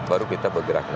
baru kita bergerak